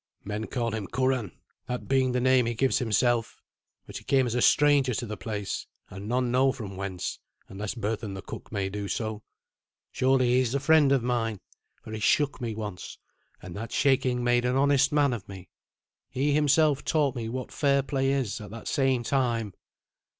"Men call him Curan, that being the name he gives himself; but he came as a stranger to the place, and none know from whence, unless Berthun the cook may do so. Surely he is a friend of mine, for he shook me once, and that shaking made an honest man of me. He himself taught me what fair play is, at that same time."